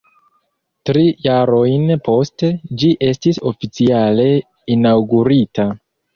Tri jarojn poste ĝi estis oficiale inaŭgurita.